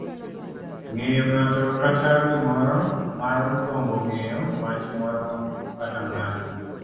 ng'eyo ng'ato kata gimoro. margombo ng'eyo wach moro kata ng'ato.